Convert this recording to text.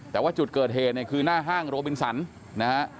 แต่ว่าจุดเกิดเหตุคือหน้าห้างโรบินสัน